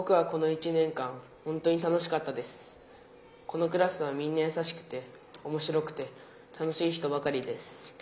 このクラスはみんなやさしくておもしろくて楽しい人ばかりです。